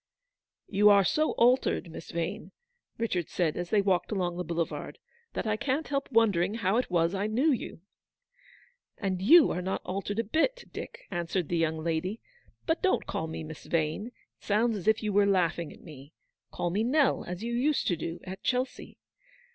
"You are so altered, Miss Vane," Richard said, as they walked along the boulevard, " that I can't help wondering how it was I knew you." "And you're not altered a bit, Dick," answered the young lady ;" but don't call me Miss Vane — it sounds as if you were laughing at me. Call me Nell, as you used to do, at Chelsea.